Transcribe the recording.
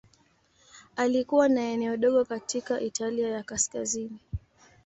Alikuwa na eneo dogo katika Italia ya Kaskazini.